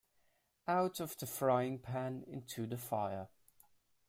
Out of the frying pan into the fire.